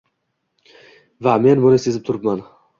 va men buni sezib turibman.